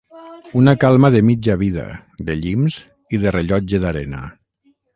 Una calma de mitja vida, de llims i de rellotge d'arena.